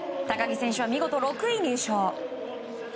高木選手は見事６位入賞。